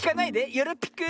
よろぴく。